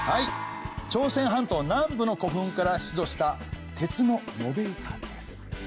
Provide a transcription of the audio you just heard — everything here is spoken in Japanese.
朝鮮半島南部の古墳から出土した鉄の延べ板です。